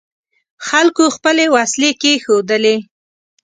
خلکو خپلې وسلې کېښودلې.